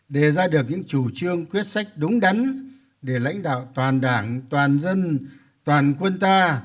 đề ra được những chủ trương quyết sách đúng đắn để lãnh đạo toàn đảng toàn dân toàn quân ta